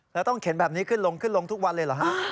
แล้วต้องเข็นแบบนี้ขึ้นลงขึ้นลงทุกวันเลยเหรอฮะ